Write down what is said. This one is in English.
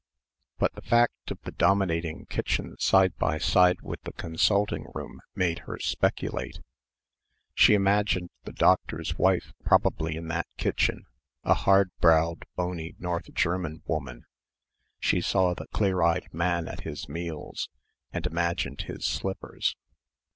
But the fact of the dominating kitchen side by side with the consulting room made her speculate. She imagined the doctor's wife, probably in that kitchen, a hard browed bony North German woman. She saw the clear eyed man at his meals; and imagined his slippers.